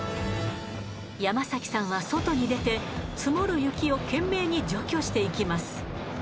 山崎さんは外に出て積もる雪を懸命に除去していきます。